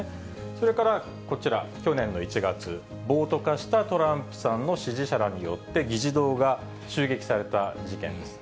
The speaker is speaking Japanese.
それからこちら、去年の１月、暴徒化したトランプさんの支持者らによって議事堂が襲撃された事件です。